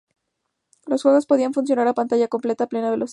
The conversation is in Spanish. Los juegos podían funcionar a pantalla completa a plena velocidad.